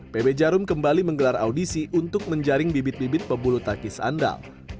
pb jarum kembali menggelar audisi untuk menjaring bibit bibit pebulu tangkis andal